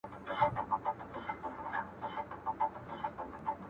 خيال مې ګناه ګڼي ثواب چې روښان کړے مې دے